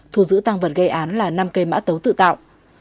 thu giữ tăng vật gây án là năm cây mã tấu tự tạo